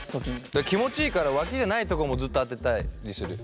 だから気持ちいいからわきじゃないとこもずっと当てたりする。